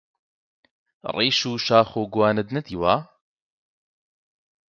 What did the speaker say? ڕیش و شاخ و گوانت نەدیوە؟!